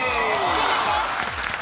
正解です。